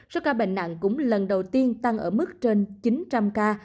số ca bệnh nặng cũng lần đầu tiên tăng ở mức trên chín trăm linh ca